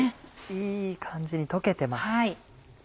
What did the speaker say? いい感じに溶けてます。